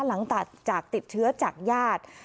หลังจากติดเชื้อจากญาติ